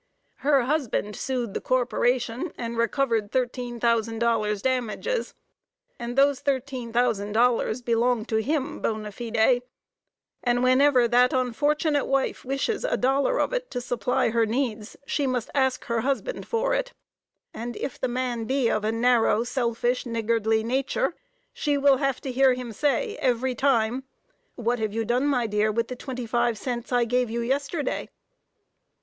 Her husband sued the corporation and recovered $13,000 damages. And those $13,000 belong to him bona fide; and whenever that unfortunate wife wishes a dollar of it to supply her needs she must ask her husband for it; and if the man be of a narrow, selfish, niggardly nature, she will have to hear him say, every time, "What have you done, my dear, with the twenty five cents I gave you yesterday?"